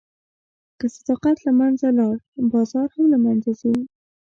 که صداقت له منځه لاړ، بازار هم له منځه ځي.